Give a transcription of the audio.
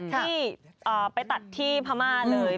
ที่ไปตัดที่พม่าเลย